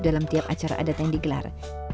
dalam tiap acara adat yang digelar